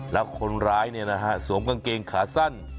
แล้วคนร้ายเนี่ยนะฮะสวมกางเกงขาสั้น